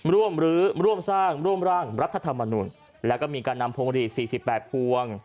หรือร่วมสร้างร่วมร่างรัฐธรรมนุนแล้วก็มีการนำพวงหลีด๔๘พวง